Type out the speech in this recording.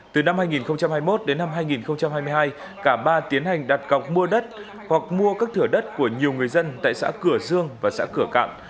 từ năm hai nghìn hai mươi một đến năm hai nghìn hai mươi hai cả ba tiến hành đặt cọc mua đất hoặc mua các thửa đất của nhiều người dân tại xã cửa dương và xã cửa cạn